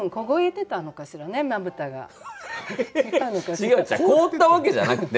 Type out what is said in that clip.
違う違う凍ったわけじゃなくて。